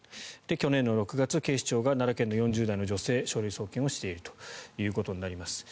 去年６月、警視庁が奈良県の４０代の女性を書類送検をしているということになります。